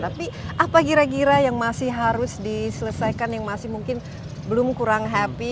tapi apa kira kira yang masih harus diselesaikan yang masih mungkin belum kurang happy